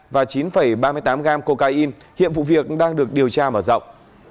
và chín ba mươi tám gram cocaine hiện vụ việc đang được điều tra mở rộng